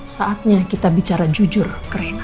saatnya kita bicara jujur ke reyna